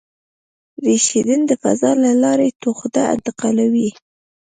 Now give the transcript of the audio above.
ریډیشن د فضا له لارې تودوخه انتقالوي.